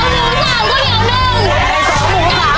ใกล้สองหมูสามเขาเดี๋ยวหนึ่ง